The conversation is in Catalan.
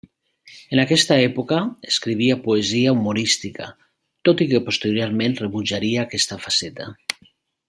En aquesta època escrivia poesia humorística, tot i que posteriorment rebutjaria aquesta faceta.